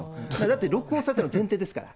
だって録音されてるの前提ですから。